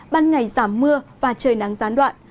ban ngày giảm mưa và trời nắng gián đoạn